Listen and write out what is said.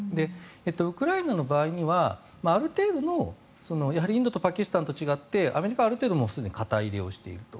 ウクライナの場合にはある程度のインドとパキスタンと違ってアメリカはすでにある程度肩入れしていると。